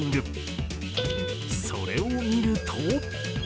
それを見ると。